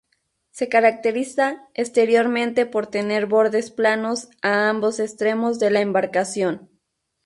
Se caracteriza exteriormente por tener bordes planos a ambos extremos de la embarcación.